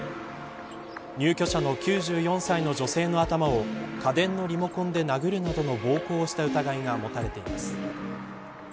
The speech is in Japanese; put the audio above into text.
入居者の９４歳の女性の頭を家電のリモコンで殴るなどの暴行をした疑いが持たれています。